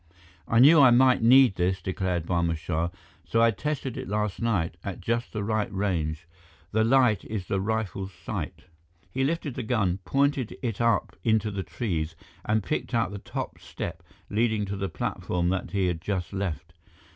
"I knew I might need this," declared Barma Shah, "so I tested it last night, at just the right range. The light is the rifle's sight." He lifted the gun, pointed it up into the trees and picked out the top step leading to the platform that he had just left.